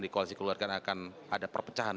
di koalisi keluarga akan ada perpecahan